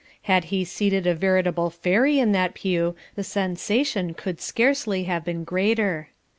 Had he seated a veritable fairy in that pew the sensation could scarcely have been greater.